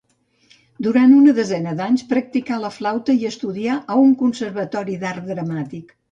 Durant una desena d'anys practicà la flauta i estudià a un conservatori d'art dramàtic.